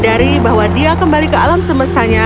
ketika dia melihat bahwa kedai kopi favoritnya ada di tempatnya